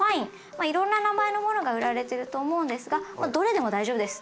まあいろんな名前のものが売られてると思うんですがもうどれでも大丈夫です。